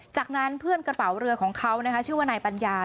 จากนั้นเพื่อนกระเป๋าเรือของเขานะคะชื่อว่านายปัญญา